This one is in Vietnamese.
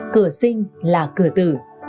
cửa sinh là cửa tử